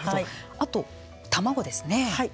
あと、卵ですね。